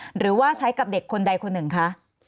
หรือว่าใช้กับเด็กคนใดคนหนึ่งคะ